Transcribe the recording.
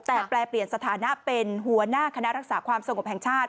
แต่แปลเปลี่ยนสถานะเป็นหัวหน้าคณะรักษาความสงบแห่งชาติ